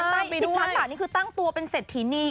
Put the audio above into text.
ตั้ง๒๐ล้านบาทนี่คือตั้งตัวเป็นเศรษฐีนี